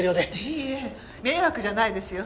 いいえ迷惑じゃないですよ。